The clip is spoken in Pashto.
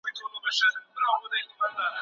ایا ته غواړې چي په دي لاره کي نور هم پرمختګ وکړي؟